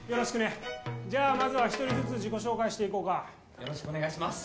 よろしくお願いします。